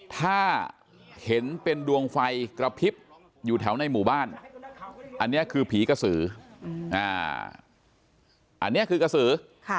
ถ้าเห็นเป็นดวงไฟกระพริบอยู่แถวในหมู่บ้านอันนี้คือผีกระสืออันนี้คือกระสือ